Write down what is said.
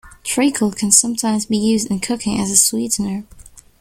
Treacle can sometimes be used in cooking as a sweetener